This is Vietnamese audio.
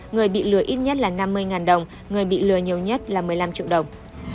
người bị lừa ít nhất là năm mươi đồng người bị lừa nhiều nhất là một mươi năm triệu đồng